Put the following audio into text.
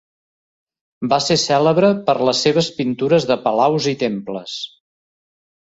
Va ser cèlebre per les seves pintures de palaus i temples.